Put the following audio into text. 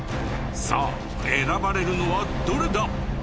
さあ選ばれるのはどれだ？